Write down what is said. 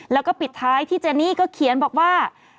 แล้วก็ปิดท้ายที่เจนี่ก็เขียนบอกว่า